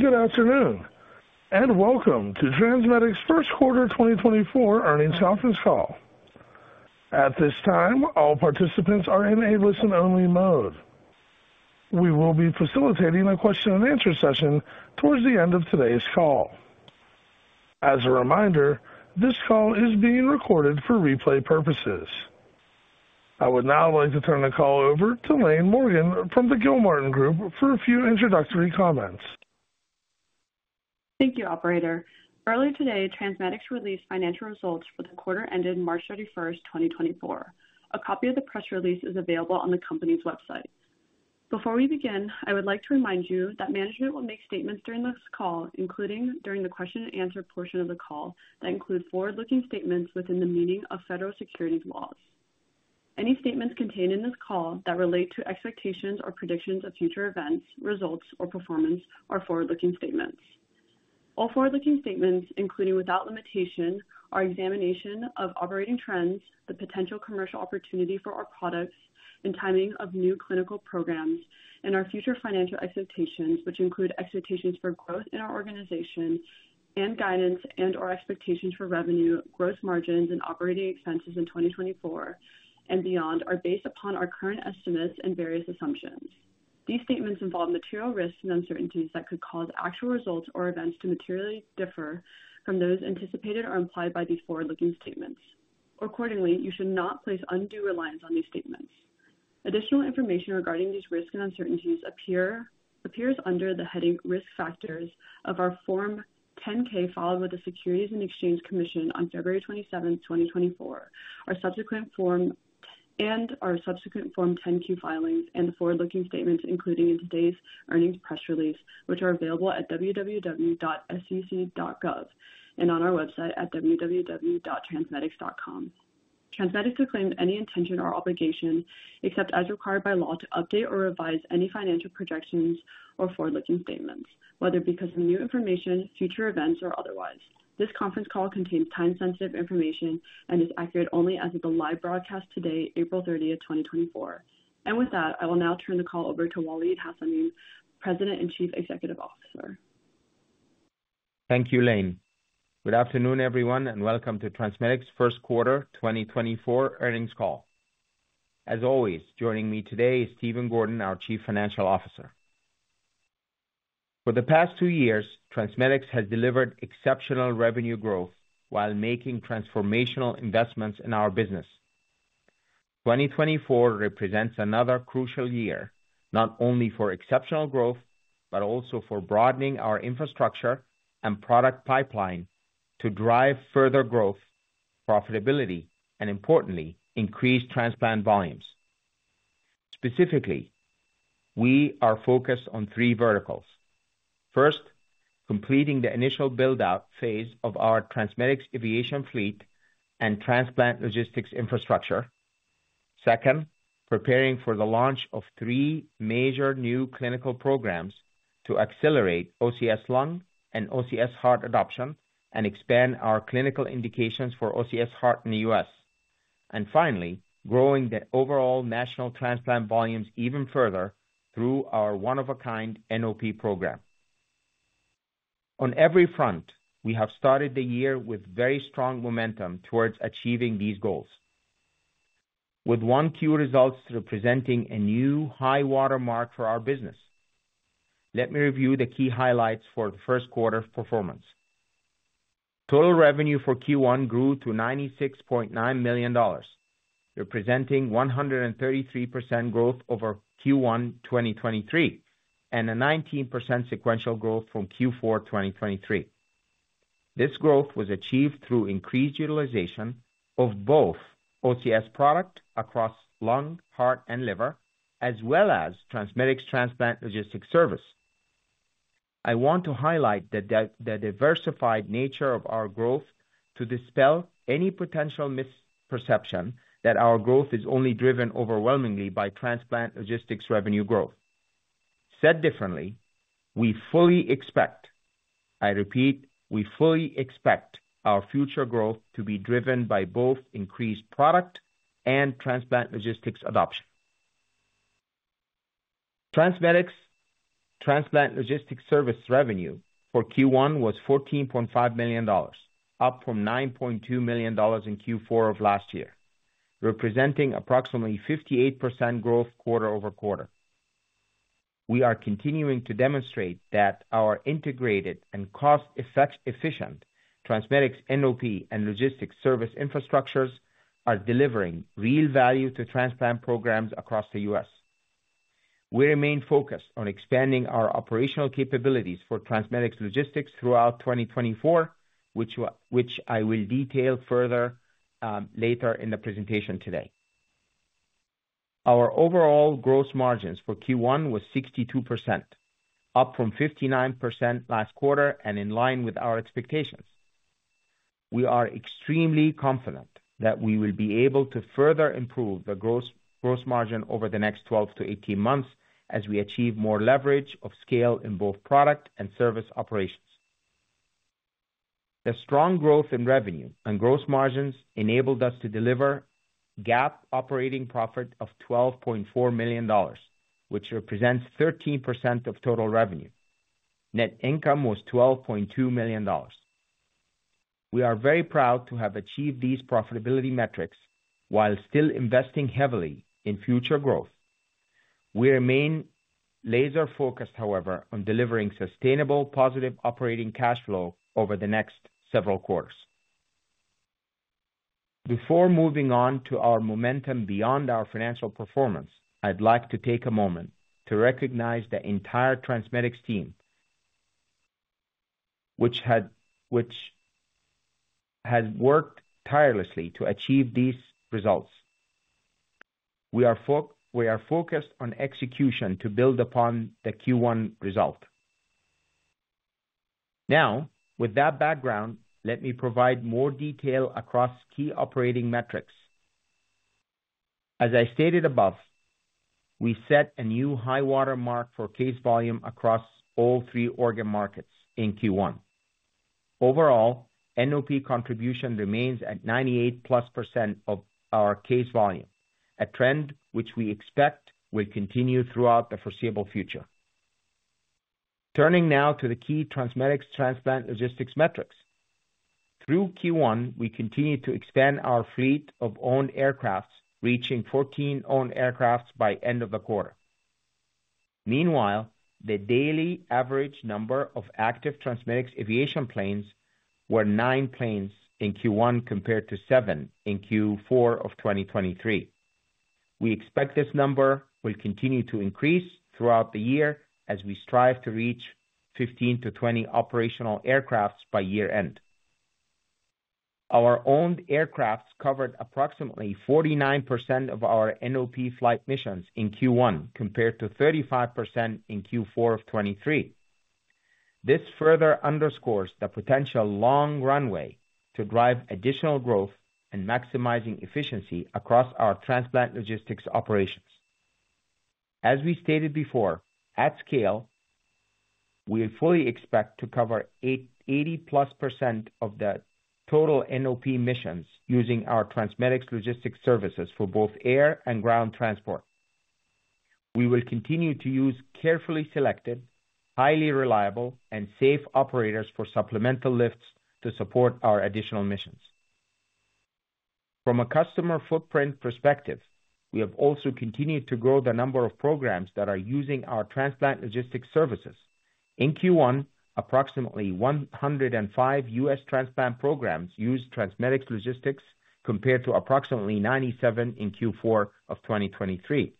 Good afternoon, and welcome to TransMedics' first quarter 2024 earnings conference call. At this time, all participants are in a listen-only mode. We will be facilitating a question-and-answer session towards the end of today's call. As a reminder, this call is being recorded for replay purposes. I would now like to turn the call over to Laine Morgan from the Gilmartin Group for a few introductory comments. Thank you, operator. Earlier today, TransMedics released financial results for the quarter ended March 31st, 2024. A copy of the press release is available on the company's website. Before we begin, I would like to remind you that management will make statements during this call, including during the question and answer portion of the call, that include forward-looking statements within the meaning of federal securities laws. Any statements contained in this call that relate to expectations or predictions of future events, results, or performance are forward-looking statements. All forward-looking statements, including without limitation, our examination of operating trends, the potential commercial opportunity for our products, and timing of new clinical programs, and our future financial expectations, which include expectations for growth in our organization and guidance and/or expectations for revenue, gross margins, and operating expenses in 2024 and beyond, are based upon our current estimates and various assumptions. These statements involve material risks and uncertainties that could cause actual results or events to materially differ from those anticipated or implied by these forward-looking statements. Accordingly, you should not place undue reliance on these statements. Additional information regarding these risks and uncertainties appear, appears under the heading Risk Factors of our Form 10-K, filed with the Securities and Exchange Commission on February 27th, 2024. Our subsequent Form 10-Q filings and the forward-looking statements, including in today's earnings press release, which are available at www.sec.gov and on our website at www.transmedics.com. TransMedics disclaims any intention or obligation, except as required by law, to update or revise any financial projections or forward-looking statements, whether because of new information, future events, or otherwise. This conference call contains time-sensitive information and is accurate only as of the live broadcast today, April 30th, 2024. With that, I will now turn the call over to Waleed Hassanein, President and Chief Executive Officer. Thank you, Laine. Good afternoon, everyone, and welcome to TransMedics' first quarter 2024 earnings call. As always, joining me today is Stephen Gordon, our Chief Financial Officer. For the past two years, TransMedics has delivered exceptional revenue growth while making transformational investments in our business. 2024 represents another crucial year, not only for exceptional growth, but also for broadening our infrastructure and product pipeline to drive further growth, profitability, and importantly, increased transplant volumes. Specifically, we are focused on three verticals. First, completing the initial build-out phase of our TransMedics Aviation fleet and transplant logistics infrastructure. Second, preparing for the launch of three major new clinical programs to accelerate OCS Lung and OCS Heart adoption and expand our clinical indications for OCS Heart in the U.S. And finally, growing the overall national transplant volumes even further through our one-of-a-kind NOP program. On every front, we have started the year with very strong momentum towards achieving these goals, with 1Q results representing a new high watermark for our business. Let me review the key highlights for the first quarter performance. Total revenue for Q1 grew to $96.9 million, representing 133% growth over Q1 2023, and a 19% sequential growth from Q4 2023. This growth was achieved through increased utilization of both OCS product across lung, heart, and liver, as well as TransMedics transplant logistics service. I want to highlight the diversified nature of our growth to dispel any potential misperception that our growth is only driven overwhelmingly by transplant logistics revenue growth. Said differently, we fully expect, I repeat, we fully expect our future growth to be driven by both increased product and transplant logistics adoption. TransMedics transplant logistics service revenue for Q1 was $14.5 million, up from $9.2 million in Q4 of last year, representing approximately 58% growth quarter-over-quarter. We are continuing to demonstrate that our integrated and cost-efficient TransMedics NOP and logistics service infrastructures are delivering real value to transplant programs across the U.S. We remain focused on expanding our operational capabilities for TransMedics logistics throughout 2024, which I will detail further later in the presentation today. Our overall gross margins for Q1 was 62%, up from 59% last quarter and in line with our expectations. We are extremely confident that we will be able to further improve the gross margin over the next 12-18 months as we achieve more leverage of scale in both product and service operations. The strong growth in revenue and gross margins enabled us to deliver GAAP operating profit of $12.4 million, which represents 13% of total revenue. Net income was $12.2 million. We are very proud to have achieved these profitability metrics while still investing heavily in future growth. We remain laser focused, however, on delivering sustainable, positive operating cash flow over the next several quarters. Before moving on to our momentum beyond our financial performance, I'd like to take a moment to recognize the entire TransMedics team, which has worked tirelessly to achieve these results. We are focused on execution to build upon the Q1 result. Now, with that background, let me provide more detail across key operating metrics. As I stated above, we set a new high water mark for case volume across all three organ markets in Q1. Overall, NOP contribution remains at 98%+ of our case volume, a trend which we expect will continue throughout the foreseeable future. Turning now to the key TransMedics transplant logistics metrics. Through Q1, we continued to expand our fleet of owned aircraft, reaching 14 owned aircraft by end of the quarter. Meanwhile, the daily average number of active TransMedics Aviation planes were nine planes in Q1, compared to seven in Q4 of 2023. We expect this number will continue to increase throughout the year as we strive to reach 15-20 operational aircraft by year-end. Our owned aircraft covered approximately 49% of our NOP flight missions in Q1, compared to 35% in Q4 of 2023. This further underscores the potential long runway to drive additional growth and maximizing efficiency across our transplant logistics operations. As we stated before, at scale, we fully expect to cover 80%+ of the total NOP missions using our TransMedics logistics services for both air and ground transport. We will continue to use carefully selected, highly reliable and safe operators for supplemental lifts to support our additional missions. From a customer footprint perspective, we have also continued to grow the number of programs that are using our transplant logistics services. In Q1, approximately 105 U.S. transplant programs used TransMedics logistics, compared to approximately 97 in Q4 of 2023.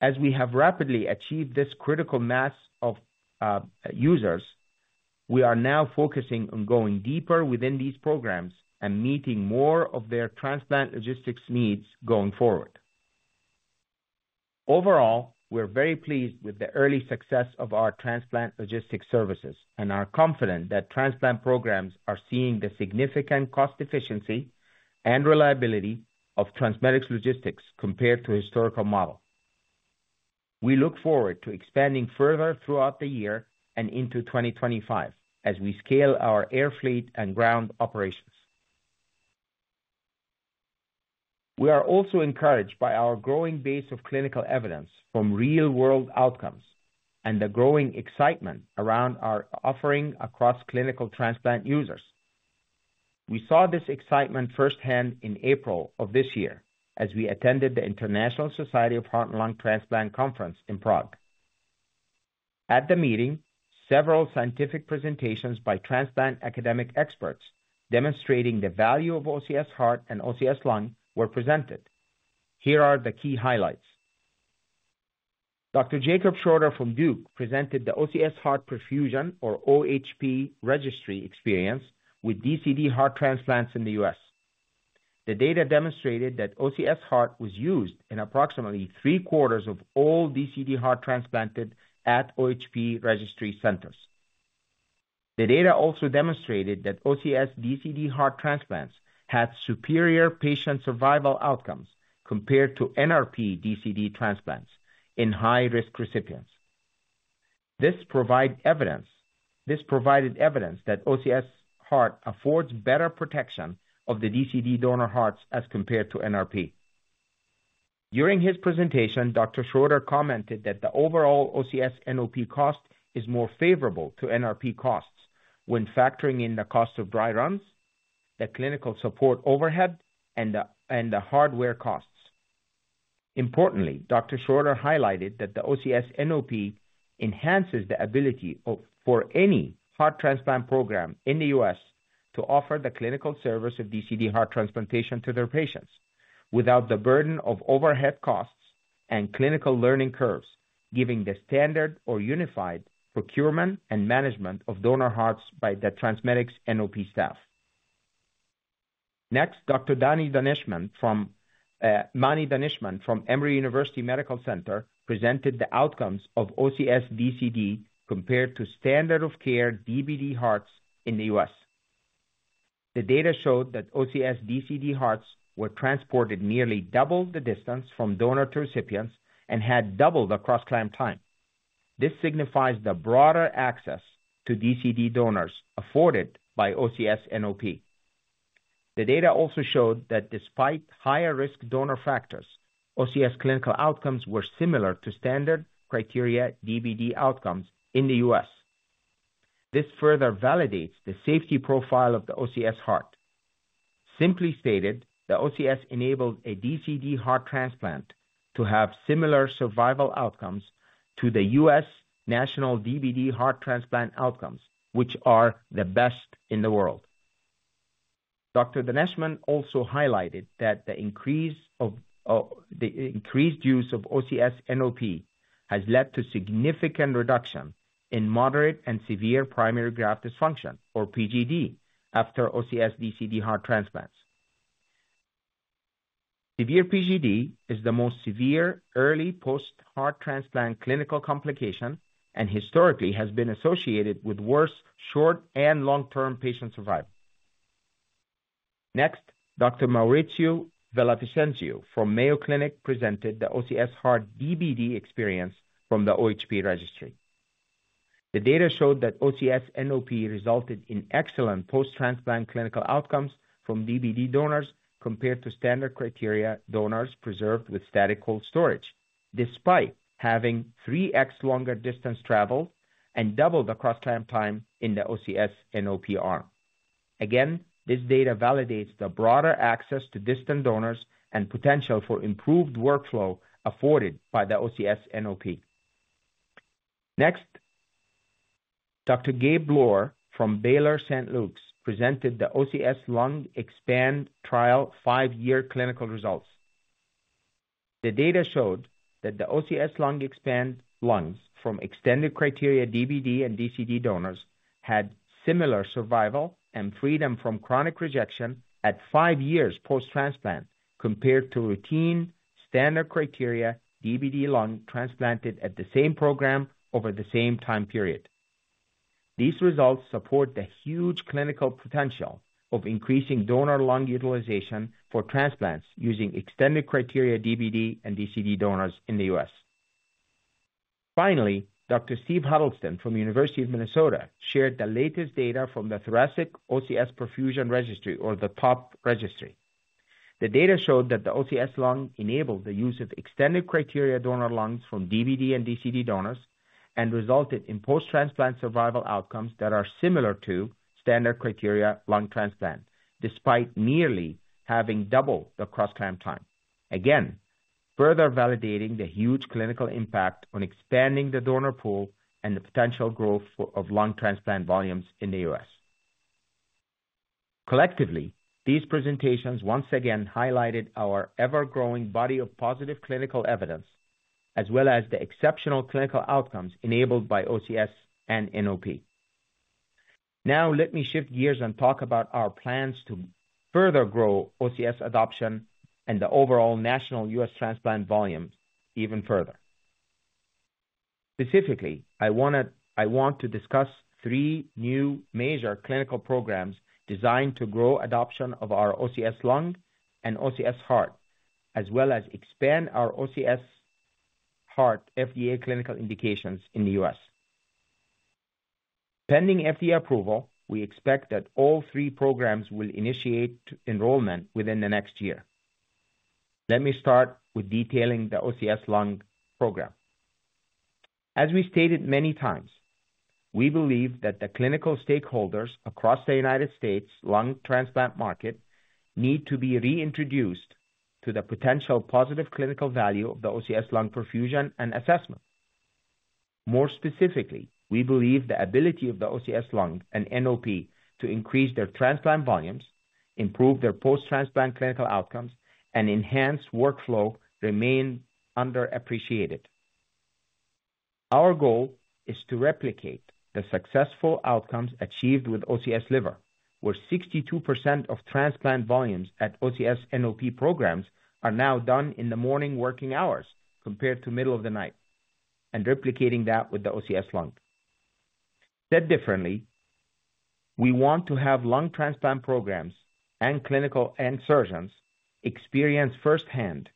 As we have rapidly achieved this critical mass of users, we are now focusing on going deeper within these programs and meeting more of their transplant logistics needs going forward. Overall, we're very pleased with the early success of our transplant logistics services and are confident that transplant programs are seeing the significant cost efficiency and reliability of TransMedics logistics compared to historical model. We look forward to expanding further throughout the year and into 2025 as we scale our air fleet and ground operations. We are also encouraged by our growing base of clinical evidence from real-world outcomes and the growing excitement around our offering across clinical transplant users. We saw this excitement firsthand in April of this year as we attended the International Society for Heart and Lung Transplantation Conference in Prague. At the meeting, several scientific presentations by transplant academic experts demonstrating the value of OCS Heart and OCS Lung were presented. Here are the key highlights: Dr. Jacob Schroder from Duke presented the OCS Heart Perfusion, or OHP Registry experience with DCD heart transplants in the U.S. The data demonstrated that OCS Heart was used in approximately three-quarters of all DCD heart transplants at OHP Registry centers. The data also demonstrated that OCS DCD heart transplants had superior patient survival outcomes compared to NRP DCD transplants in high-risk recipients. This provided evidence that OCS Heart affords better protection of the DCD donor hearts as compared to NRP. During his presentation, Dr. Schroder commented that the overall OCS NOP cost is more favorable to NRP costs when factoring in the cost of dry runs, the clinical support overhead, and the hardware costs. Importantly, Dr. Schroder highlighted that the OCS NOP enhances the ability for any heart transplant program in the U.S. to offer the clinical service of DCD heart transplantation to their patients without the burden of overhead costs and clinical learning curves, giving the standard or unified procurement and management of donor hearts by the TransMedics NOP staff. Next, Dr. Mani Daneshmand from Emory University Hospital presented the outcomes of OCS DCD compared to standard of care DBD hearts in the U.S. The data showed that OCS DCD hearts were transported nearly double the distance from donor to recipients and had double the cross clamp time. This signifies the broader access to DCD donors afforded by OCS NOP. The data also showed that despite higher risk donor factors, OCS clinical outcomes were similar to standard criteria DBD outcomes in the U.S. This further validates the safety profile of the OCS Heart. Simply stated, the OCS enabled a DCD heart transplant to have similar survival outcomes to the U.S. national DBD heart transplant outcomes, which are the best in the world. Dr. Daneshmand also highlighted that the increase of, the increased use of OCS NOP has led to significant reduction in moderate and severe primary graft dysfunction, or PGD, after OCS DCD heart transplants. Severe PGD is the most severe early post-heart transplant clinical complication and historically has been associated with worse short and long-term patient survival. Next, Dr. Mauricio Villavicencio from Mayo Clinic presented the OCS Heart DBD experience from the OHP Registry. The data showed that OCS NOP resulted in excellent post-transplant clinical outcomes from DBD donors compared to standard criteria donors preserved with static cold storage, despite having 3x longer distance traveled and double the cross clamp time in the OCS NOP arm. Again, this data validates the broader access to distant donors and potential for improved workflow afforded by the OCS NOP. Next, Dr. Gabe Loor from Baylor St. Luke's presented the OCS Lung EXPAND Trial five-year clinical results. The data showed that the OCS Lung EXPAND lungs from extended criteria DBD and DCD donors had similar survival and freedom from chronic rejection at five years post-transplant, compared to routine standard criteria DBD lung transplanted at the same program over the same time period. These results support the huge clinical potential of increasing donor lung utilization for transplants using extended criteria DBD and DCD donors in the U.S. Finally, Dr. Stephen Huddleston from the University of Minnesota shared the latest data from the Thoracic OCS Perfusion Registry, or the TOP Registry. The data showed that the OCS Lung enabled the use of extended criteria donor lungs from DBD and DCD donors and resulted in post-transplant survival outcomes that are similar to standard criteria lung transplant, despite nearly having double the cross clamp time. Again, further validating the huge clinical impact on expanding the donor pool and the potential growth of lung transplant volumes in the U.S. Collectively, these presentations once again highlighted our ever-growing body of positive clinical evidence, as well as the exceptional clinical outcomes enabled by OCS and NOP. Now, let me shift gears and talk about our plans to further grow OCS adoption and the overall national U.S. transplant volumes even further. Specifically, I want to discuss three new major clinical programs designed to grow adoption of our OCS Lung and OCS Heart, as well as expand our OCS Heart FDA clinical indications in the U.S. Pending FDA approval, we expect that all three programs will initiate enrollment within the next year. Let me start with detailing the OCS Lung program. As we stated many times, we believe that the clinical stakeholders across the United States lung transplant market need to be reintroduced to the potential positive clinical value of the OCS Lung perfusion and assessment. More specifically, we believe the ability of the OCS Lung and NOP to increase their transplant volumes, improve their post-transplant clinical outcomes, and enhance workflow remain underappreciated. Our goal is to replicate the successful outcomes achieved with OCS Liver, where 62% of transplant volumes at OCS NOP programs are now done in the morning working hours compared to middle of the night, and replicating that with the OCS Lung. Said differently, we want to have lung transplant programs and clinical and surgeons experience firsthand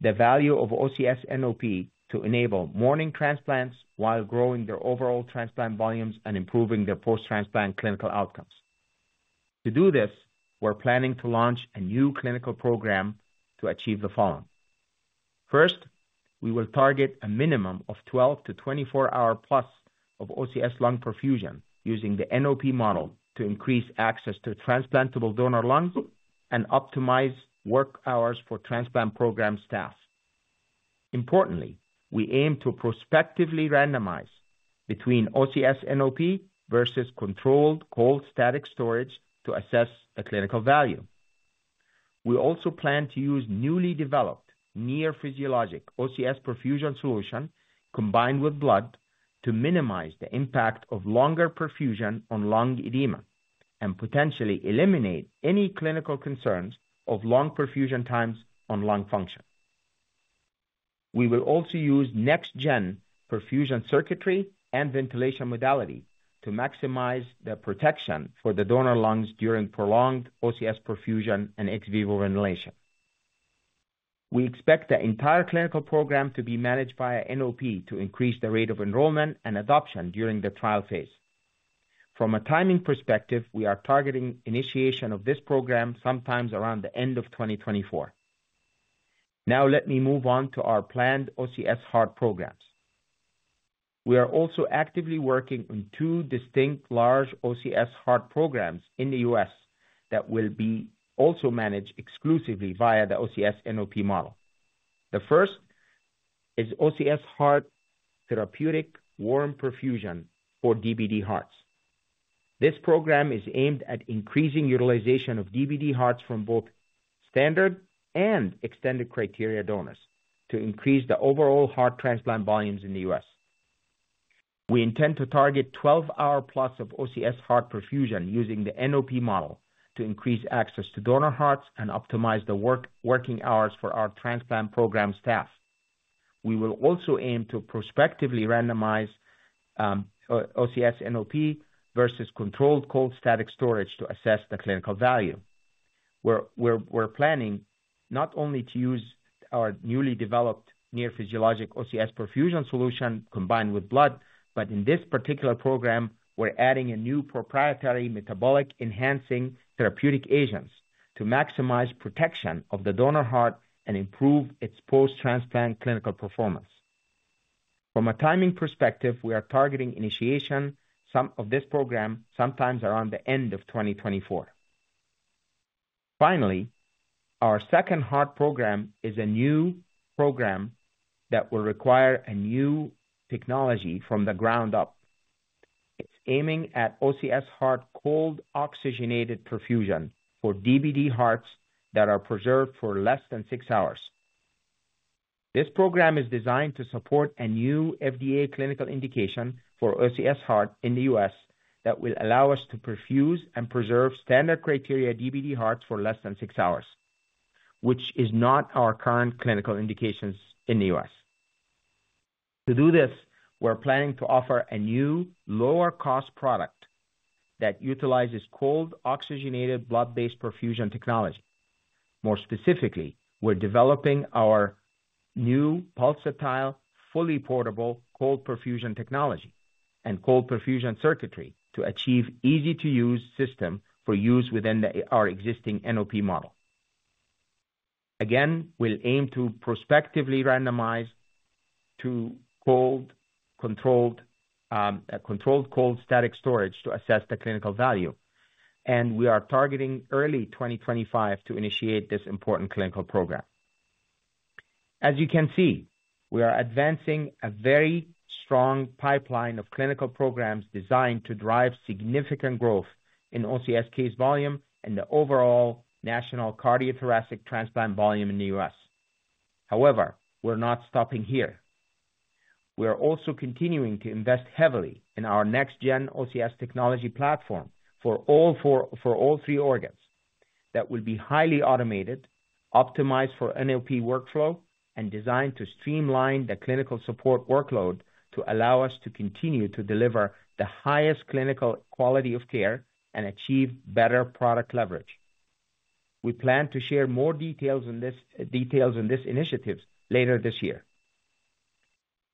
the value of OCS NOP to enable morning transplants while growing their overall transplant volumes and improving their post-transplant clinical outcomes. To do this, we're planning to launch a new clinical program to achieve the following. First, we will target a minimum of 12- to 24-hour plus of OCS Lung perfusion, using the NOP model to increase access to transplantable donor lungs and optimize work hours for transplant program staff. Importantly, we aim to prospectively randomize between OCS NOP versus controlled cold static storage to assess the clinical value. We also plan to use newly developed near physiologic OCS perfusion solution combined with blood, to minimize the impact of longer perfusion on lung edema, and potentially eliminate any clinical concerns of lung perfusion times on lung function. We will also use next-gen perfusion circuitry and ventilation modality to maximize the protection for the donor lungs during prolonged OCS perfusion and ex vivo ventilation. We expect the entire clinical program to be managed via NOP to increase the rate of enrollment and adoption during the trial phase. From a timing perspective, we are targeting initiation of this program sometime around the end of 2024. Now let me move on to our planned OCS Heart programs. We are also actively working on two distinct large OCS Heart programs in the U.S. that will be also managed exclusively via the OCS NOP model. The first is OCS Heart therapeutic warm perfusion for DBD hearts. This program is aimed at increasing utilization of DBD hearts from both standard and extended criteria donors to increase the overall heart transplant volumes in the U.S. We intend to target 12-hour slots of OCS Heart perfusion using the NOP model to increase access to donor hearts and optimize the working hours for our transplant program staff. We will also aim to prospectively randomize OCS NOP versus cold static storage to assess the clinical value. We're planning not only to use our newly developed near physiologic OCS perfusion solution combined with blood, but in this particular program, we're adding a new proprietary metabolic-enhancing therapeutic agents to maximize protection of the donor heart and improve its post-transplant clinical performance. From a timing perspective, we are targeting initiation of this program sometime around the end of 2024. Finally, our second heart program is a new program that will require a new technology from the ground up. It's aiming at OCS Heart cold oxygenated perfusion for DBD hearts that are preserved for less than six hours. This program is designed to support a new FDA clinical indication for OCS Heart in the U.S., that will allow us to perfuse and preserve standard criteria DBD hearts for less than six hours, which is not our current clinical indications in the U.S. To do this, we're planning to offer a new, lower-cost product that utilizes cold, oxygenated, blood-based perfusion technology. More specifically, we're developing our new pulsatile, fully portable cold perfusion technology and cold perfusion circuitry to achieve easy-to-use system for use within our existing NOP model. Again, we'll aim to prospectively randomize to cold controlled, a controlled cold static storage to assess the clinical value, and we are targeting early 2025 to initiate this important clinical program. As you can see, we are advancing a very strong pipeline of clinical programs designed to drive significant growth in OCS case volume and the overall national cardiothoracic transplant volume in the U.S. However, we're not stopping here. We are also continuing to invest heavily in our next-gen OCS technology platform for all four, for all three organs that will be highly automated, optimized for NOP workflow, and designed to streamline the clinical support workload to allow us to continue to deliver the highest clinical quality of care and achieve better product leverage. We plan to share more details on this, details on these initiatives later this year.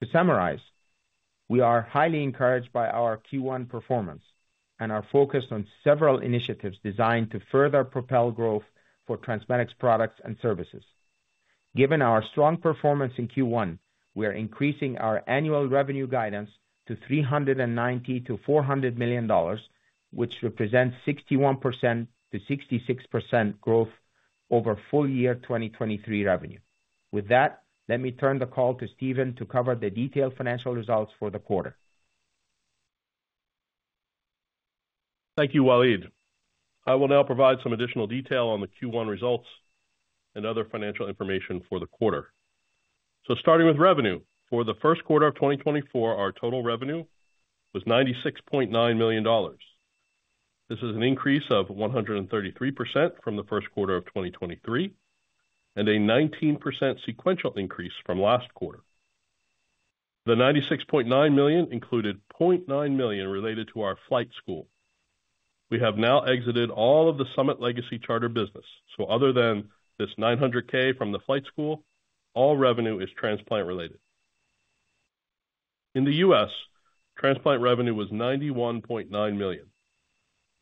To summarize, we are highly encouraged by our Q1 performance and are focused on several initiatives designed to further propel growth for TransMedics products and services. Given our strong performance in Q1, we are increasing our annual revenue guidance to $390 million-$400 million, which represents 61%-66% growth over full year 2023 revenue. With that, let me turn the call to Stephen to cover the detailed financial results for the quarter. Thank you, Waleed. I will now provide some additional detail on the Q1 results and other financial information for the quarter. Starting with revenue. For the first quarter of 2024, our total revenue was $96.9 million. This is an increase of 133% from the first quarter of 2023, and a 19% sequential increase from last quarter. The $96.9 million included $0.9 million related to our flight school. We have now exited all of the Summit legacy charter business, so other than this $900,000 from the flight school, all revenue is transplant-related. In the U.S., transplant revenue was $91.9 million.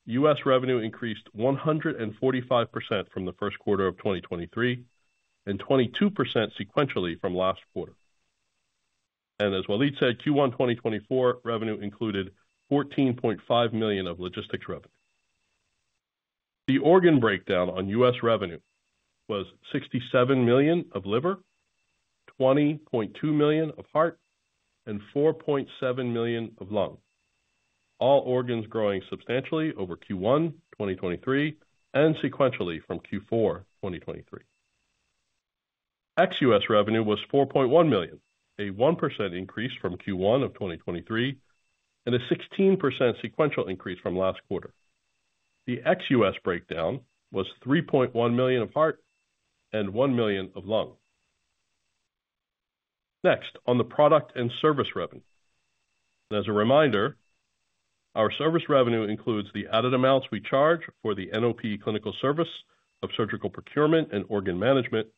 U.S. revenue increased 145% from the first quarter of 2023, and 22% sequentially from last quarter. And as Waleed said, Q1 2024 revenue included $14.5 million of logistics revenue. The organ breakdown on U.S. revenue was $67 million of liver, $20.2 million of heart, and $4.7 million of lung. All organs growing substantially over Q1 2023 and sequentially from Q4 2023. Ex-U.S. revenue was $4.1 million, a 1% increase from Q1 of 2023, and a 16% sequential increase from last quarter. The ex-U.S. breakdown was $3.1 million of heart and $1 million of lung. Next, on the product and service revenue. As a reminder, our service revenue includes the added amounts we charge for the NOP clinical service of surgical procurement and organ management,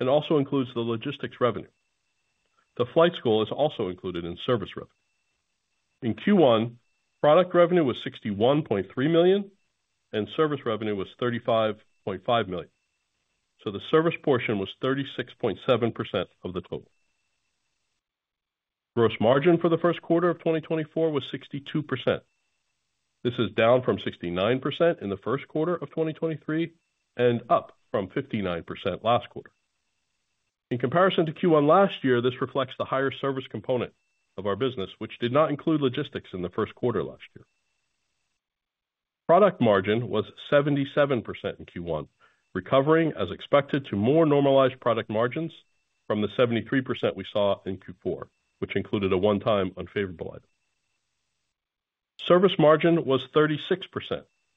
and also includes the logistics revenue. The flight school is also included in service revenue. In Q1, product revenue was $61.3 million, and service revenue was $35.5 million. So the service portion was 36.7% of the total. Gross margin for the first quarter of 2024 was 62%. This is down from 69% in the first quarter of 2023, and up from 59% last quarter. In comparison to Q1 last year, this reflects the higher service component of our business, which did not include logistics in the first quarter last year. Product margin was 77% in Q1, recovering as expected to more normalized product margins from the 73% we saw in Q4, which included a one-time unfavorable item. Service margin was 36%,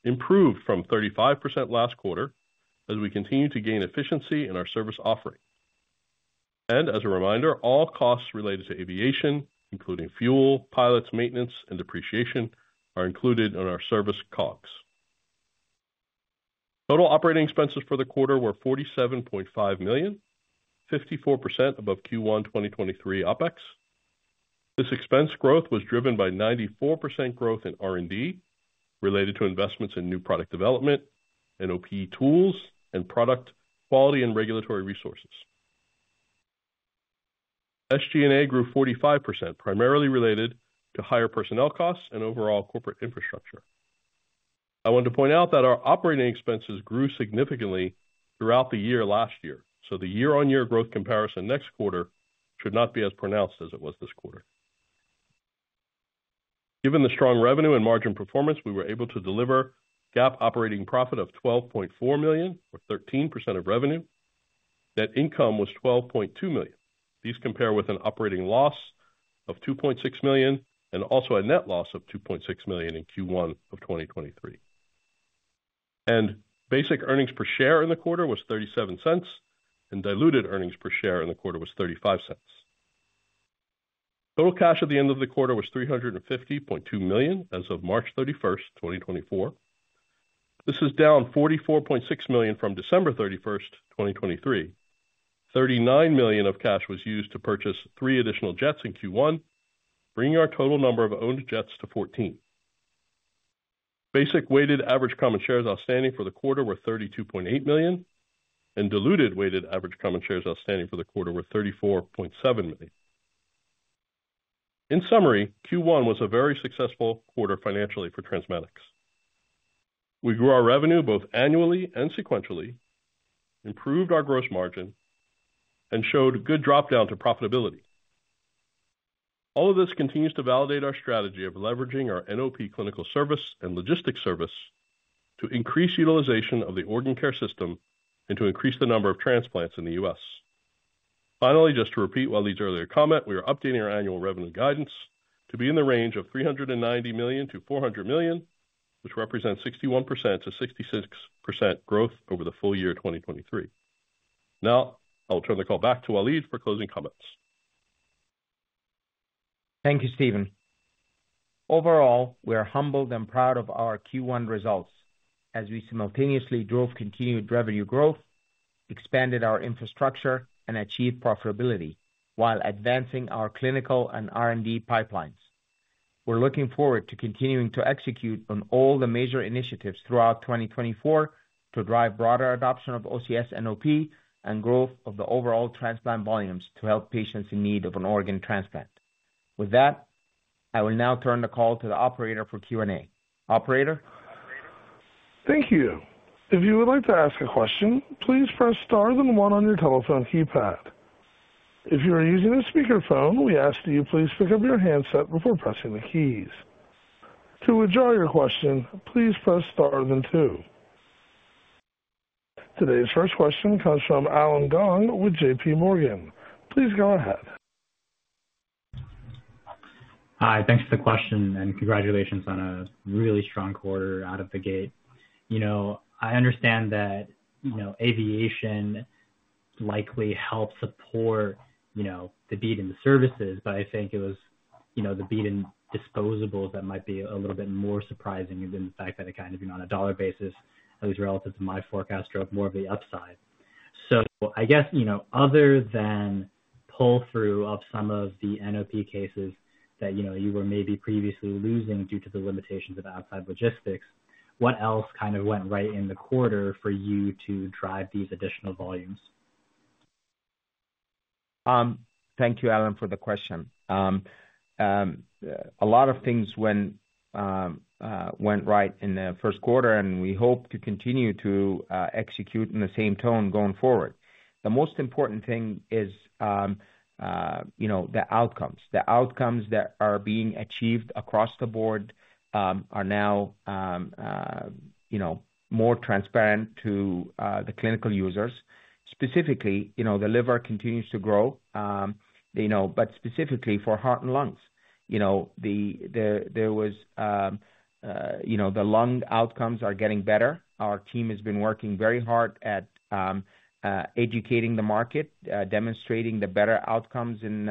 improved from 35% last quarter, as we continue to gain efficiency in our service offering. As a reminder, all costs related to aviation, including fuel, pilots, maintenance, and depreciation, are included in our service COGS. Total operating expenses for the quarter were $47.5 million, 54% above Q1 2023 OpEx. This expense growth was driven by 94% growth in R&D, related to investments in new product development, NOP tools, and product quality and regulatory resources. SG&A grew 45%, primarily related to higher personnel costs and overall corporate infrastructure. I want to point out that our operating expenses grew significantly throughout the year last year, so the year-on-year growth comparison next quarter should not be as pronounced as it was this quarter. Given the strong revenue and margin performance, we were able to deliver GAAP operating profit of $12.4 million, or 13% of revenue. Net income was $12.2 million. These compare with an operating loss of $2.6 million and also a net loss of $2.6 million in Q1 of 2023. Basic earnings per share in the quarter was $0.37, and diluted earnings per share in the quarter was $0.35. Total cash at the end of the quarter was $350.2 million as of March 31st, 2024. This is down $44.6 million from December 31st, 2023. $39 million of cash was used to purchase three additional jets in Q1, bringing our total number of owned jets to 14. Basic weighted average common shares outstanding for the quarter were 32.8 million, and diluted weighted average common shares outstanding for the quarter were 34.7 million. In summary, Q1 was a very successful quarter financially for TransMedics. We grew our revenue both annually and sequentially, improved our gross margin, and showed good drop-down to profitability. All of this continues to validate our strategy of leveraging our NOP clinical service and logistics service to increase utilization of the Organ Care System and to increase the number of transplants in the U.S. Finally, just to repeat Waleed's earlier comment, we are updating our annual revenue guidance to be in the range of $390 million-$400 million, which represents 61%-66% growth over the full year 2023. Now I'll turn the call back to Waleed for closing comments. Thank you, Stephen. Overall, we are humbled and proud of our Q1 results as we simultaneously drove continued revenue growth, expanded our infrastructure, and achieved profitability while advancing our clinical and R&D pipelines. We're looking forward to continuing to execute on all the major initiatives throughout 2024 to drive broader adoption of OCS NOP and growth of the overall transplant volumes to help patients in need of an organ transplant. With that, I will now turn the call to the operator for Q&A. Operator? Thank you. If you would like to ask a question, please press star then one on your telephone keypad. If you are using a speakerphone, we ask that you please pick up your handset before pressing the keys. To withdraw your question, please press star then two. Today's first question comes from Allen Gong with JPMorgan. Please go ahead. Hi, thanks for the question, and congratulations on a really strong quarter out of the gate. You know, I understand that, you know, aviation likely helped support, you know, the beat in the services, but I think it was, you know, the beat in disposables that might be a little bit more surprising, given the fact that it kind of, on a dollar basis, at least relative to my forecast, drove more of the upside. So I guess, you know, other than pull-through of some of the NOP cases that, you know, you were maybe previously losing due to the limitations of outside logistics, what else kind of went right in the quarter for you to drive these additional volumes? Thank you, Allen, for the question. A lot of things went right in the first quarter, and we hope to continue to execute in the same tone going forward. The most important thing is, you know, the outcomes. The outcomes that are being achieved across the board are now, you know, more transparent to the clinical users. Specifically, you know, the liver continues to grow, you know, but specifically for heart and lungs. You know, the lung outcomes are getting better. Our team has been working very hard at educating the market, demonstrating the better outcomes and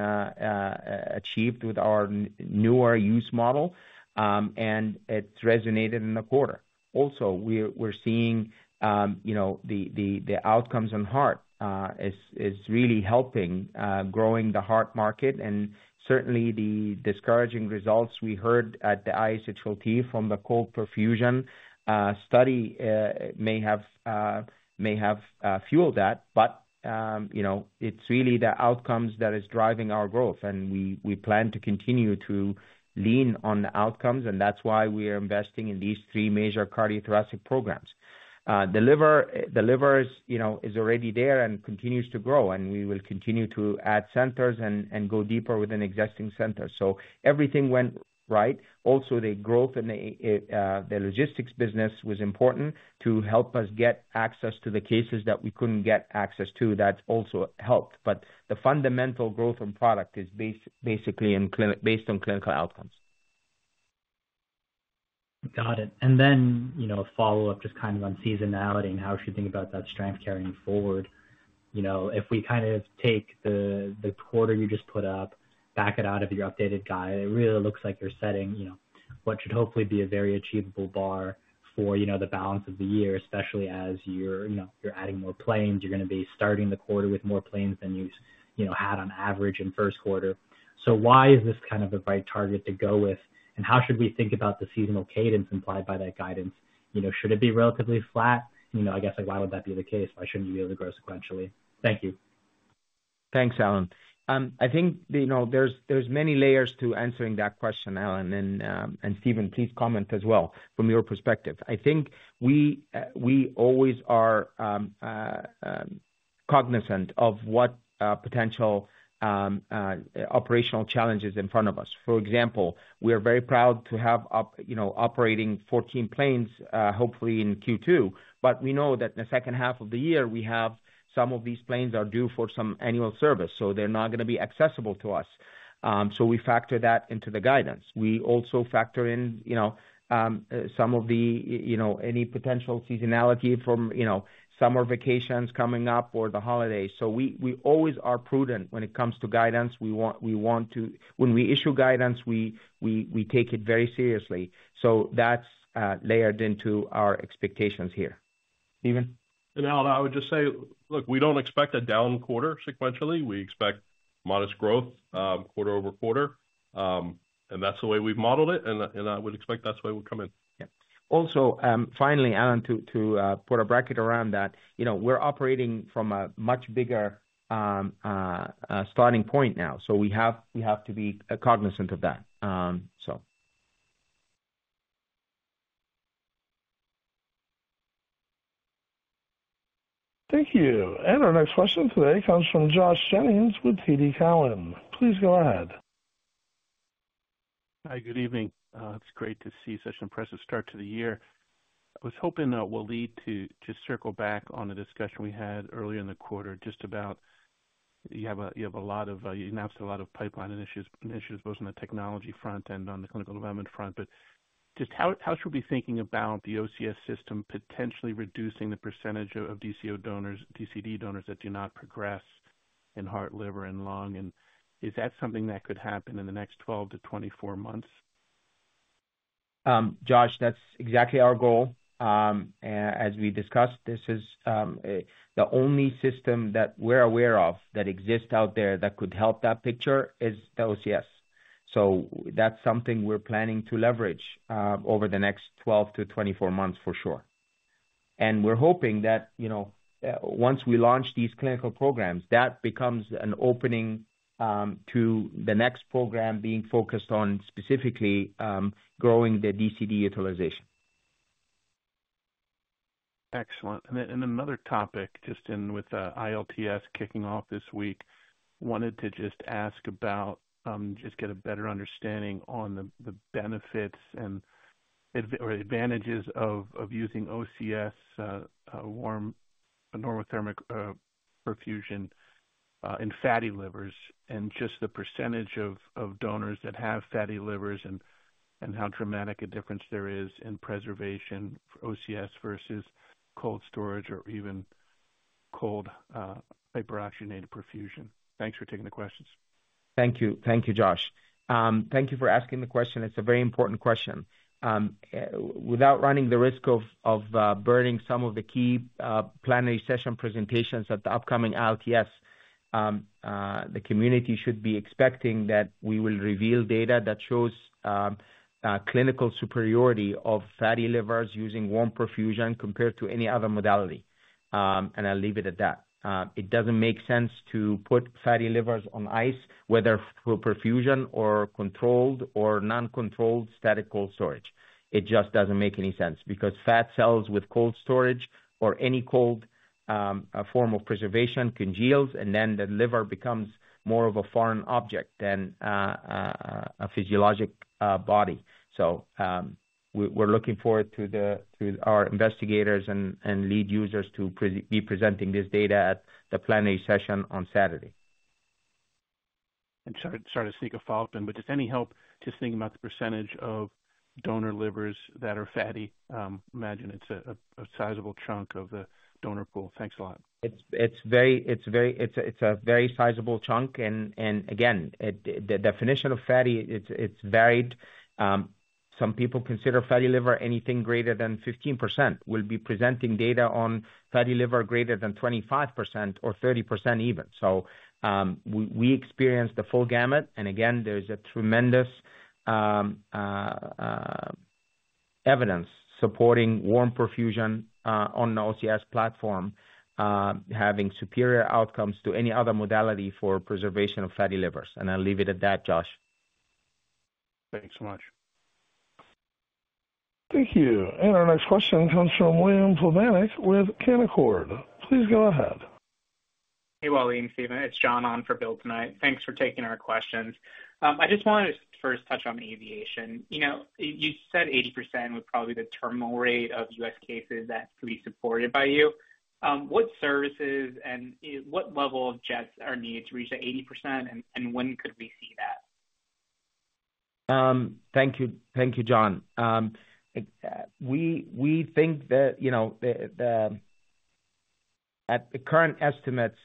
achieved with our newer use model, and it's resonated in the quarter. Also, we're seeing you know the outcomes on heart is really helping growing the heart market. Certainly, the discouraging results we heard at the ISHLT from the cold perfusion study may have fueled that. But you know, it's really the outcomes that is driving our growth, and we plan to continue to lean on the outcomes, and that's why we are investing in these three major cardiothoracic programs. The liver is you know already there and continues to grow, and we will continue to add centers and go deeper within existing centers. Everything went right. Also, the growth in the logistics business was important to help us get access to the cases that we couldn't get access to. That also helped. But the fundamental growth in product is basically in clinic, based on clinical outcomes. Got it. And then, you know, a follow-up, just kind of on seasonality and how we should think about that strength carrying forward. You know, if we kind of take the quarter you just put up, back it out of your updated guide, it really looks like you're setting, you know, what should hopefully be a very achievable bar for, you know, the balance of the year, especially as you're, you know, you're adding more planes. You're gonna be starting the quarter with more planes than you, you know, had on average in first quarter. So why is this kind of the right target to go with? And how should we think about the seasonal cadence implied by that guidance? You know, should it be relatively flat? You know, I guess, like, why would that be the case? Why shouldn't you be able to grow sequentially? Thank you. Thanks, Allen. I think, you know, there's many layers to answering that question, Allen. And Stephen, please comment as well from your perspective. I think we always are cognizant of what potential operational challenge is in front of us. For example, we are very proud to have up, you know, operating 14 planes, hopefully in Q2. But we know that in the second half of the year, we have some of these planes are due for some annual service, so they're not gonna be accessible to us. So we factor that into the guidance. We also factor in, you know, some of the, you know, any potential seasonality from, you know, summer vacations coming up or the holidays. So we always are prudent when it comes to guidance. We want, we want to. When we issue guidance, we take it very seriously. So that's layered into our expectations here. Stephen? And Allen, I would just say, look, we don't expect a down quarter sequentially. We expect modest growth, quarter-over-quarter. And that's the way we've modeled it, and I would expect that's the way we'll come in. Yeah. Also, finally, Allen, to put a bracket around that, you know, we're operating from a much bigger starting point now, so we have to be cognizant of that. So. Thank you. Our next question today comes from Josh Jennings with TD Cowen. Please go ahead. Hi, good evening. It's great to see such an impressive start to the year. I was hoping we'll lead to, just circle back on the discussion we had earlier in the quarter, just about, you have a, you have a lot of, you announced a lot of pipeline initiatives, initiatives both on the technology front and on the clinical development front. But just how, how should we be thinking about the OCS system potentially reducing the percentage of DCD donors, DCD donors that do not progress in heart, liver, and lung? And is that something that could happen in the next 12-24 months? Josh, that's exactly our goal. As we discussed, this is the only system that we're aware of that exists out there that could help that picture is the OCS. So that's something we're planning to leverage over the next 12-24 months for sure. And we're hoping that, you know, once we launch these clinical programs, that becomes an opening to the next program being focused on specifically growing the DCD utilization. Excellent. And then, and another topic, just in with ILTS kicking off this week, wanted to just ask about, just get a better understanding on the, the benefits and advantages of using OCS, warm, normothermic, perfusion in fatty livers, and just the percentage of donors that have fatty livers, and how dramatic a difference there is in preservation for OCS versus cold storage or even cold, hyperoxygenated perfusion. Thanks for taking the questions. Thank you. Thank you, Josh. Thank you for asking the question. It's a very important question. Without running the risk of burning some of the key plenary session presentations at the upcoming ILTS, the community should be expecting that we will reveal data that shows clinical superiority of fatty livers using warm perfusion compared to any other modality. And I'll leave it at that. It doesn't make sense to put fatty livers on ice, whether through perfusion or controlled or non-controlled static cold storage. It just doesn't make any sense because fat cells with cold storage or any cold form of preservation congeals, and then the liver becomes more of a foreign object than a physiologic body. We're looking forward to our investigators and lead users to be presenting this data at the planning session on Saturday. And sorry, sorry to sneak a follow-up in, but does any help just thinking about the percentage of donor livers that are fatty? I imagine it's a sizable chunk of the donor pool. Thanks a lot. It's a very sizable chunk, and again, the definition of fatty, it's varied. Some people consider fatty liver anything greater than 15%. We'll be presenting data on fatty liver greater than 25% or 30% even. So, we experience the full gamut, and again, there is a tremendous evidence supporting warm perfusion on the OCS platform having superior outcomes to any other modality for preservation of fatty livers. And I'll leave it at that, Josh. Thanks so much. Thank you. Our next question comes from William Plovanic with Canaccord. Please go ahead. Hey, Waleed and Stephen, it's John on for Bill tonight. Thanks for taking our questions. I just wanted to first touch on aviation. You know, you said 80% was probably the terminal rate of U.S. cases that could be supported by you. What services and what level of jets are needed to reach that 80%, and when could we see that? Thank you. Thank you, John. We think that, you know, at the current estimates,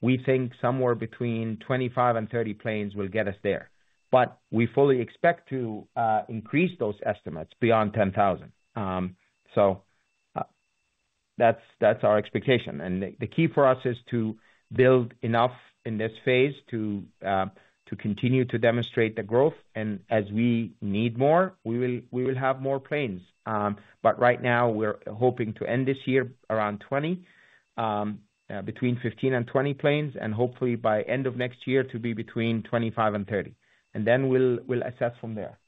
we think somewhere between 25 and 30 planes will get us there. But we fully expect to increase those estimates beyond 10,000. So, that's our expectation. And the key for us is to build enough in this phase to continue to demonstrate the growth, and as we need more, we will have more planes. But right now, we're hoping to end this year around 20, between 15 and 20 planes, and hopefully by end of next year to be between 25 and 30. And then we'll assess from there.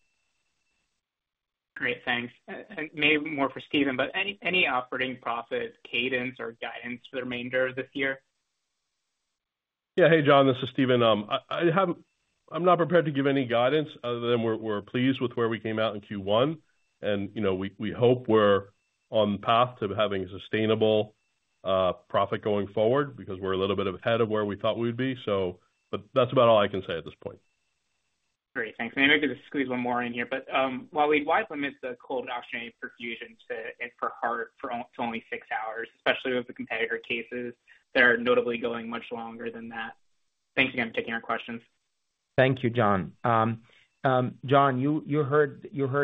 Great, thanks. And maybe more for Stephen, but any operating profit cadence or guidance for the remainder of this year? Yeah. Hey, John, this is Stephen. I haven't, I'm not prepared to give any guidance other than we're pleased with where we came out in Q1, and, you know, we hope we're on the path to having sustainable profit going forward because we're a little bit ahead of where we thought we would be. So, but that's about all I can say at this point. Great, thanks. Maybe I can just squeeze one more in here, but why did we limit the cold oxygenated perfusion too and for heart, for OCS, to only six hours, especially with the competitor cases that are notably going much longer than that? Thanks again for taking our questions. Thank you, John. John, you heard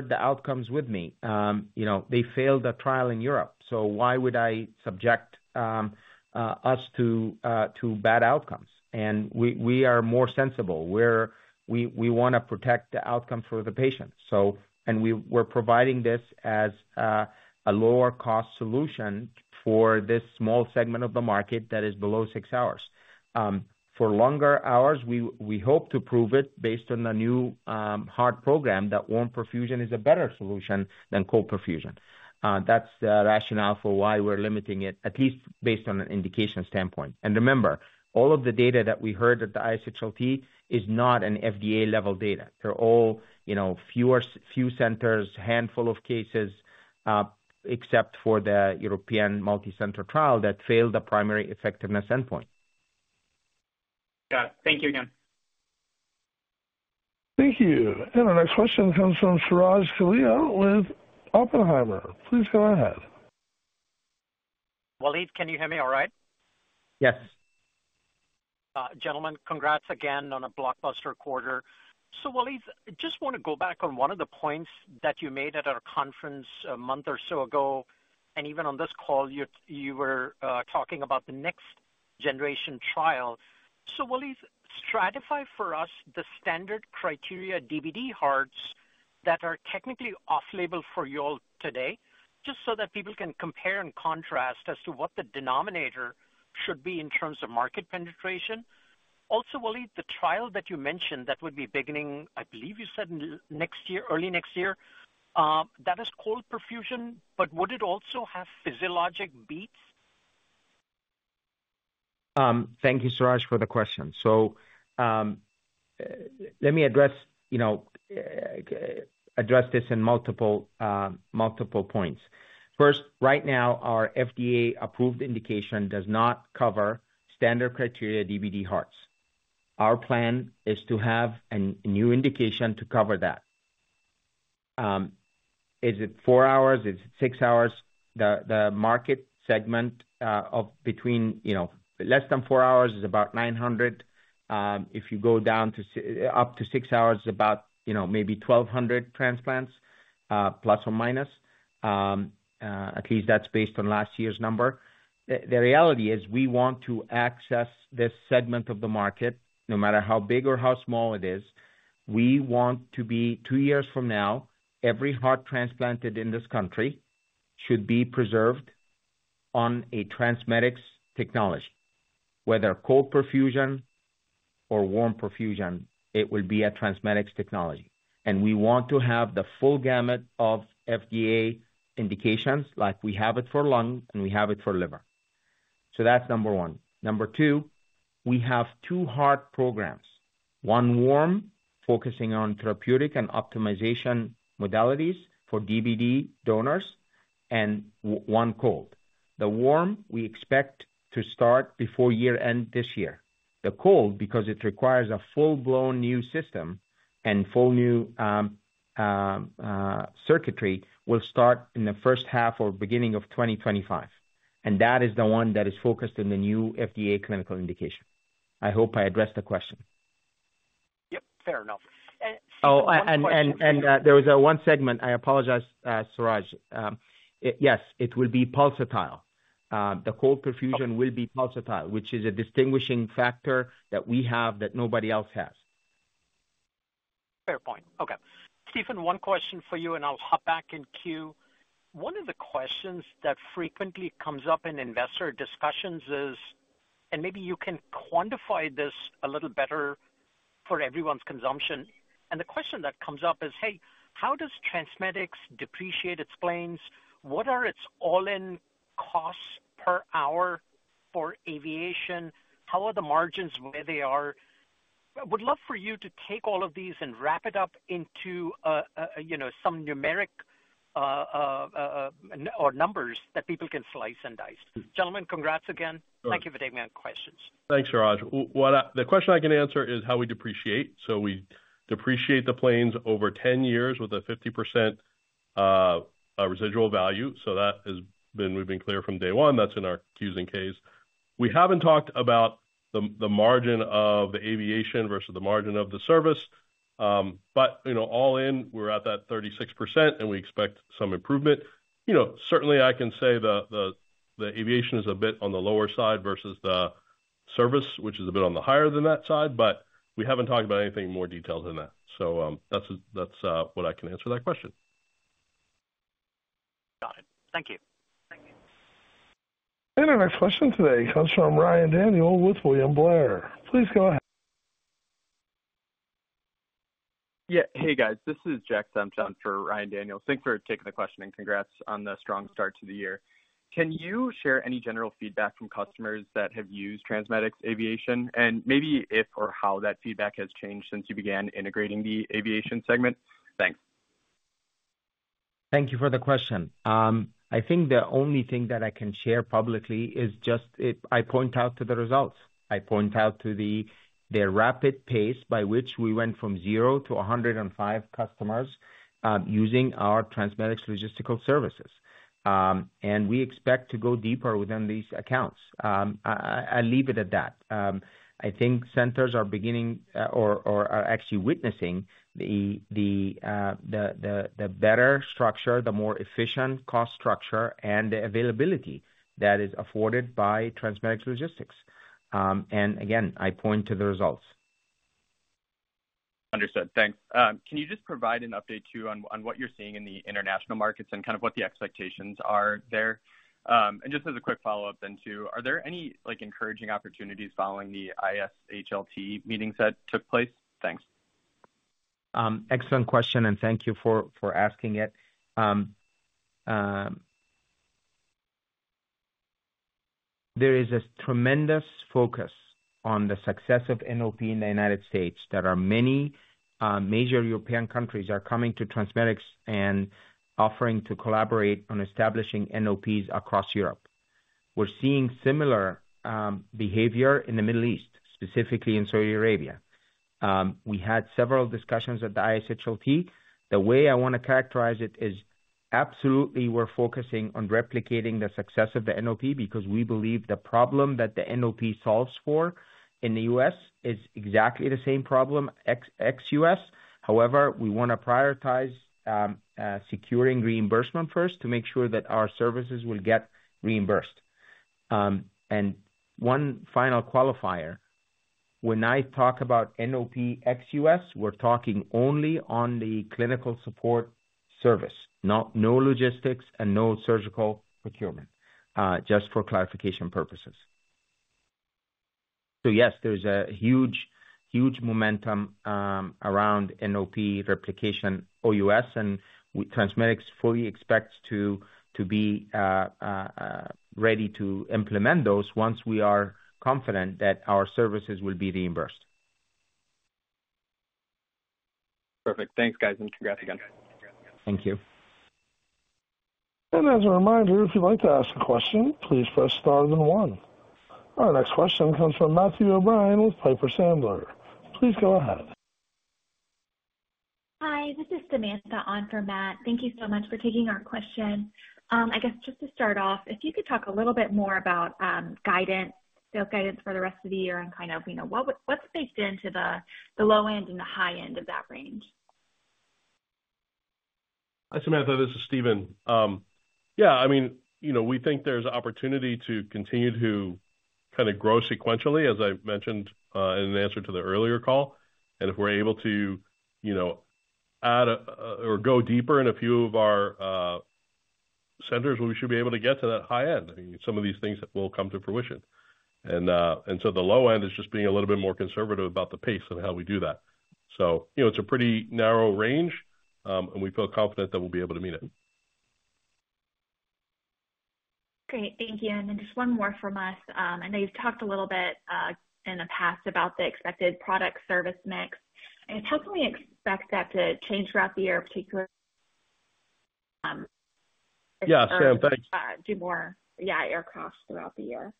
the outcomes with me. You know, they failed the trial in Europe, so why would I subject us to bad outcomes? And we are more sensible, where we wanna protect the outcomes for the patient. So, and we're providing this as a lower cost solution for this small segment of the market that is below six hours. For longer hours, we hope to prove it based on the new heart program, that warm perfusion is a better solution than cold perfusion. That's the rationale for why we're limiting it, at least based on an indication standpoint. And remember, all of the data that we heard at the ISHLT is not an FDA-level data. They're all, you know, few centers, handful of cases, except for the European multicenter trial that failed the primary effectiveness endpoint. Got it. Thank you again. Thank you. And our next question comes from Suraj Kalia with Oppenheimer. Please go ahead. Waleed, can you hear me all right? Yes. Gentlemen, congrats again on a blockbuster quarter. So, Waleed, I just want to go back on one of the points that you made at our conference a month or so ago, and even on this call, you were talking about the next generation trial. So Waleed, stratify for us the standard criteria, DBD hearts, that are technically off label for you all today, just so that people can compare and contrast as to what the denominator should be in terms of market penetration. Also, Waleed, the trial that you mentioned, that would be beginning, I believe you said next year, early next year, that is cold perfusion, but would it also have physiologic beats? Thank you, Suraj, for the question. Let me address this in multiple points. First, right now, our FDA-approved indication does not cover standard criteria DBD hearts. Our plan is to have a new indication to cover that. Is it four hours? Is it six hours? The market segment of between, you know, less than four hours is about 900. If you go up to six hours, about, you know, maybe 1,200 transplants, plus or minus. At least that's based on last year's number. The reality is we want to access this segment of the market, no matter how big or how small it is. We want to be, two years from now, every heart transplanted in this country should be preserved on a TransMedics technology, whether cold perfusion or warm perfusion, it will be a TransMedics technology. And we want to have the full gamut of FDA indications, like we have it for lung and we have it for liver. So that's number one. Number two, we have two heart programs. One warm, focusing on therapeutic and optimization modalities for DBD donors, and one cold. The warm, we expect to start before year-end this year. The cold, because it requires a full-blown new system and full new circuitry, will start in the first half or beginning of 2025, and that is the one that is focused on the new FDA clinical indication. I hope I addressed the question. Yep, fair enough. And. Oh, and there was one segment, I apologize, Suraj. Yes, it will be pulsatile. The cold perfusion will be pulsatile, which is a distinguishing factor that we have that nobody else has. Fair point. Okay. Stephen, one question for you, and I'll hop back in queue. One of the questions that frequently comes up in investor discussions is, and maybe you can quantify this a little better for everyone's consumption. And the question that comes up is: Hey, how does TransMedics depreciate its planes? What are its all-in costs per hour for aviation? How are the margins, where they are? I would love for you to take all of these and wrap it up into, you know, some numeric or numbers that people can slice and dice. Gentlemen, congrats again. Thank you for taking my questions. Thanks, Suraj. What I, the question I can answer is how we depreciate. So we depreciate the planes over 10 years with a 50% residual value. So that has been we've been clear from day one. That's in our Qs and Ks. We haven't talked about the margin of the aviation versus the margin of the service. But, you know, all in, we're at that 36%, and we expect some improvement. You know, certainly I can say the aviation is a bit on the lower side versus the service, which is a bit on the higher than that side, but we haven't talked about anything more detailed than that. So, that's what I can answer that question. Got it. Thank you. Our next question today comes from Ryan Daniels with William Blair. Please go ahead. Yeah. Hey, guys, this is Jack Senft for Ryan Daniels. Thanks for taking the question and congrats on the strong start to the year. Can you share any general feedback from customers that have used TransMedics Aviation, and maybe if or how that feedback has changed since you began integrating the aviation segment? Thanks. Thank you for the question. I think the only thing that I can share publicly is just if I point out to the results. I point out to the rapid pace by which we went from zero to 105 customers using our TransMedics logistical services. We expect to go deeper within these accounts. I leave it at that. I think centers are beginning or are actually witnessing the better structure, the more efficient cost structure and the availability that is afforded by TransMedics Logistics. Again, I point to the results. Understood. Thanks. Can you just provide an update, too, on what you're seeing in the international markets and kind of what the expectations are there? And just as a quick follow-up then, too, are there any, like, encouraging opportunities following the ISHLT meetings that took place? Thanks. Excellent question, and thank you for asking it. There is a tremendous focus on the success of NOP in the United States. There are many major European countries are coming to TransMedics and offering to collaborate on establishing NOPs across Europe. We're seeing similar behavior in the Middle East, specifically in Saudi Arabia. We had several discussions at the ISHLT. The way I want to characterize it is, absolutely, we're focusing on replicating the success of the NOP because we believe the problem that the NOP solves for in the U.S. is exactly the same problem ex-U.S. However, we want to prioritize securing reimbursement first to make sure that our services will get reimbursed. And one final qualifier, when I talk about NOP ex-U.S., we're talking only on the clinical support service, no logistics and no surgical procurement, just for clarification purposes. So yes, there's a huge, huge momentum around NOP replication OUS, and TransMedics fully expects to be ready to implement those once we are confident that our services will be reimbursed. Perfect. Thanks, guys, and congrats again. Thank you. As a reminder, if you'd like to ask a question, please press star then one. Our next question comes from Matthew O'Brien with Piper Sandler. Please go ahead. Hi, this is Samantha on for Matt. Thank you so much for taking our question. I guess just to start off, if you could talk a little bit more about, guidance, sales guidance for the rest of the year and kind of, you know, what would, what's baked into the, the low end and the high end of that range? Hi, Samantha, this is Stephen. Yeah, I mean, you know, we think there's opportunity to continue to kind of grow sequentially, as I mentioned, in an answer to the earlier call. And if we're able to, you know, add, or go deeper in a few of our, centers, we should be able to get to that high end. I mean, some of these things will come to fruition. And, and so the low end is just being a little bit more conservative about the pace and how we do that. So, you know, it's a pretty narrow range, and we feel confident that we'll be able to meet it. Great. Thank you. Then just one more from us. I know you've talked a little bit in the past about the expected product-service mix. How can we expect that to change throughout the year, particularly? Yeah, Sam, thanks. Do more, yeah, aircraft throughout the year?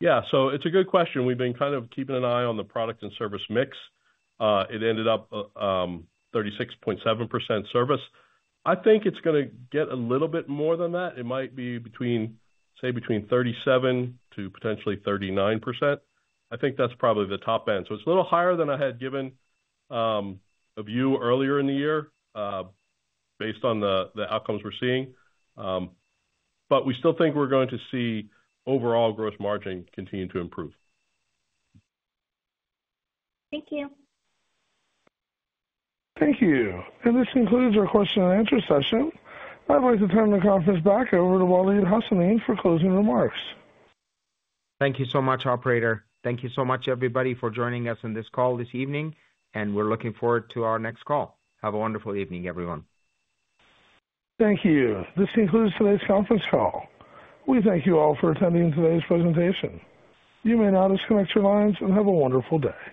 Yeah. So it's a good question. We've been kind of keeping an eye on the product and service mix. It ended up 36.7% service. I think it's gonna get a little bit more than that. It might be between, say, 37% to potentially 39%. I think that's probably the top end. So it's a little higher than I had given a view earlier in the year based on the outcomes we're seeing. But we still think we're going to see overall gross margin continue to improve. Thank you. Thank you. This concludes our question and answer session. I'd like to turn the conference back over to Waleed Hassanein for closing remarks. Thank you so much, operator. Thank you so much, everybody, for joining us on this call this evening, and we're looking forward to our next call. Have a wonderful evening, everyone. Thank you. This concludes today's conference call. We thank you all for attending today's presentation. You may now disconnect your lines and have a wonderful day.